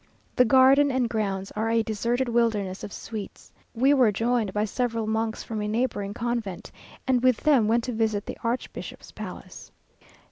The garden and grounds are a deserted wilderness of sweets. We were joined by several monks from a neighbouring convent, and with them went to visit the archbishop's palace.